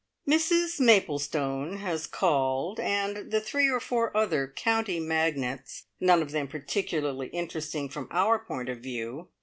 Mrs Maplestone has called, and the three or four other county magnates, none of them particularly interesting from our point of view.